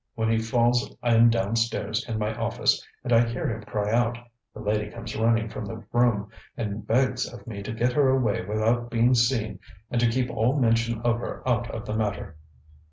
When he falls I am downstairs in my office, and I hear him cry out. The lady comes running from the room and begs of me to get her away without being seen and to keep all mention of her out of the matter.